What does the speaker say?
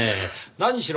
何しろ